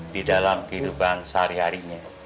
di dalam kehidupan sehari harinya